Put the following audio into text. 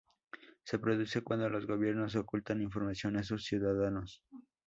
Se produce cuando los gobiernos ocultan información a sus ciudadanos.